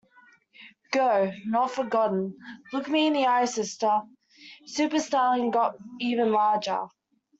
Go, Not Forgotten, Look Me In the Eye Sister, Superstylin got even larger.